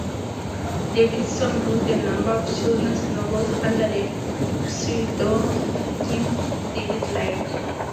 Davidson wrote a number of children's novels under the pseudonym David Line.